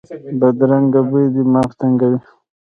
بدرنګه بوی دماغ تنګوي